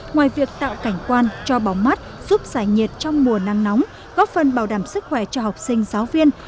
ngoài việc tạo cảnh quan cho bóng mắt giúp giải nhiệt trong mùa nắng nóng góp phần bảo đảm sức khỏe cho học sinh giáo viên